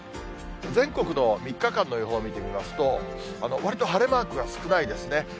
全国の３日間の予報を見てみますと、わりと晴れマークが少ないですね。